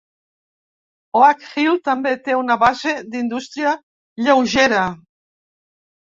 Oak Hill també té una base d'indústria lleugera.